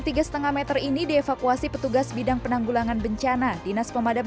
tiga setengah meter ini dievakuasi petugas bidang penanggulangan bencana dinas pemadam